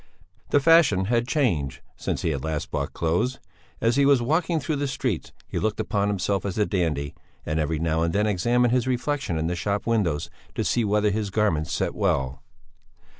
The fashion had changed, since he had last bought clothes; as he was walking through the streets, he looked upon himself as a dandy, and every now and then examined his reflexion in the shop windows, to see whether his garments set well.